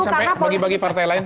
sampai bagi bagi partai lain